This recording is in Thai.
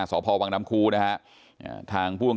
ส่อมแล้ว